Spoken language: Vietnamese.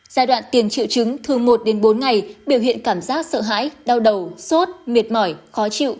giai đoạn tiền triệu chứng thường một đến bốn ngày biểu hiện cảm giác sợ hãi đau đầu sốt mệt mỏi khó chịu